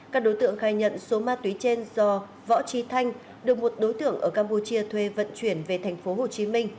các đối tượng khai nhận số ma túy trên do võ trí thanh được một đối tượng ở campuchia thuê vận chuyển về tp hcm